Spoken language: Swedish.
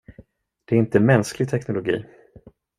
Det är inte mänsklig teknologi.